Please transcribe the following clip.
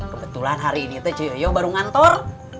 kebetulan hari ini tuh cuyoyo baru ngantor